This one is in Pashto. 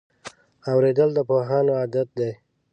اورېدل د پوهانو عادت دی.